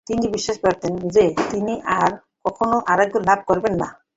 তিনি বিশ্বাস করতেন যে, তিনি আর কখনো আরোগ্য লাভ করবেন না।